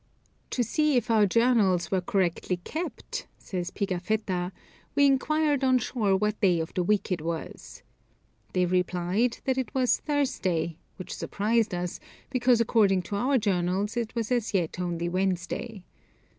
"To see if our journals were correctly kept," says Pigafetta, "we inquired on shore what day of the week it was. They replied that it was Thursday, which surprised us, because according to our journals it was as yet only Wednesday.